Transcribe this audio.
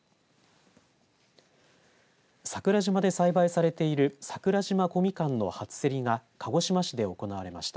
桜島で栽培されている桜島小みかんの初競りが鹿児島市で行われました。